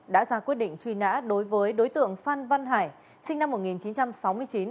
đã ra quyết định truy nã đối với đối tượng phan văn hải sinh năm một nghìn chín trăm sáu mươi chín